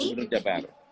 gubernur jawa barat